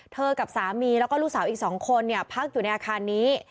กับสามีแล้วก็ลูกสาวอีก๒คนพักอยู่ในอาคารนี้